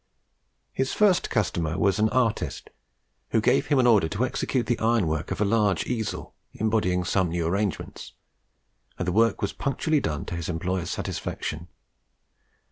His first customer was an artist, who gave him an order to execute the iron work of a large easel, embodying some new arrangements; and the work was punctually done to his employer's satisfaction.